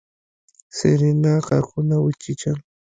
سېرېنا غاښونه وچيچل.